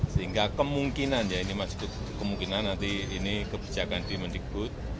sehingga kemungkinan ya ini masih kemungkinan nanti ini kebijakan di mendikbud